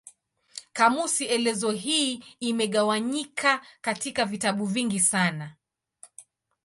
Kamusi elezo hii imegawanyika katika vitabu vingi sana.